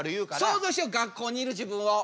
想像しよう学校にいる自分を。